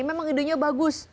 memang idenya bagus